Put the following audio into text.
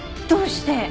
どうして？